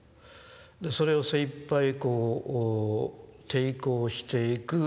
それを精いっぱいこう抵抗していく。